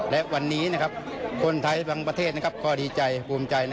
และวันนี้คนไทยบางประเทศก็ดีใจภูมิใจ